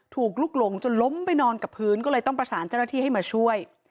ถูกลุกหลงจนล้มไปนอนกับพื้นก็เลยต้องประสานเจ้าหน้าที่ให้มาช่วย